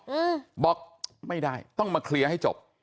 อืมบอกไม่ได้ต้องมาเคลียร์ให้จบ